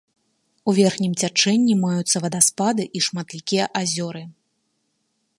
У верхнім цячэнні маюцца вадаспады і шматлікія азёры.